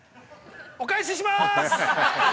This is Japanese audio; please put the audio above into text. お返しします！